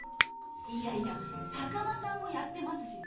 いやいや坂間さんもやってますし］